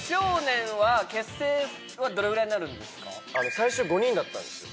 最初５人だったんですよ